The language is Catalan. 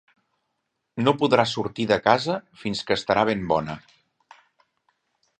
No podrà sortir de casa fins que estarà ben bona.